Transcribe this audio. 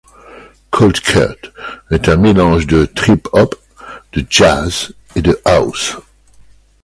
Coldcut est un mélange de trip hop, de jazz et de house.